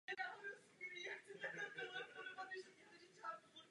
V té době bylo rovněž upraveno okolní prostranství včetně schodiště k pramenu.